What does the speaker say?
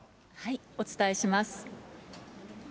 お伝えします。